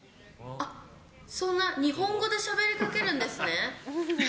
あっ、そんな、日本語でしゃべりかけるんですね。